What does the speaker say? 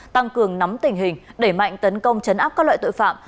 tăng cường nắm tình hình đẩy mạnh tấn công chấn áp các loại tội phạm